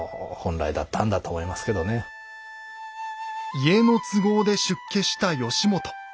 家の都合で出家した義元。